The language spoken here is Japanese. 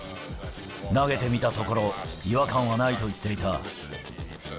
投げてみたところ、違和感はないと言っていた。